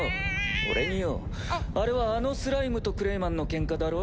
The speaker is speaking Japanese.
それによあれはあのスライムとクレイマンのケンカだろ？